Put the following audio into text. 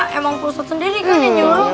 memang pak ustaz sendiri yang nyuruh